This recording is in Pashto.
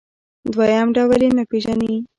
دویم ډول یې نه پېژني.